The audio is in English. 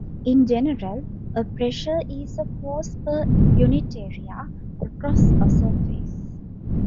In general, a pressure is a force per unit area, across a surface.